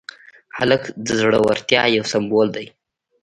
هلک د زړورتیا یو سمبول دی.